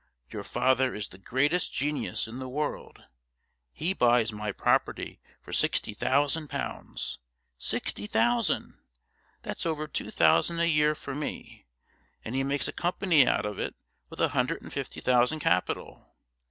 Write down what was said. Your father is the greatest genius in the world. He buys my property for sixty thousand pounds sixty thousand. That's over two thousand a year for me, and he makes a company out of it with a hundred and fifty thousand capital.